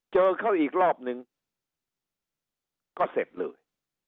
เจอเขาอีกรอบนึงก็เสร็จเลย